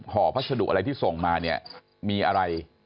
พัสดุอะไรที่ส่งมาเนี่ยมีอะไร